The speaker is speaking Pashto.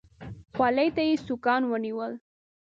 خولې ته يې سوکان ونيول.